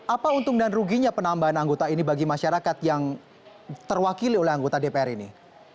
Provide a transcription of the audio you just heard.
apa untung dan ruginya penambahan anggota ini bagi masyarakat yang terwakili oleh anggota dpr ini